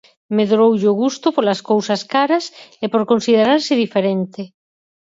Medroulle o gusto polas cousas caras e por considerarse diferente.